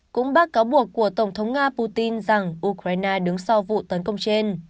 cũng bác cáo buộc của tổng thống nga putin rằng ukraine đứng sau vụ tấn công trên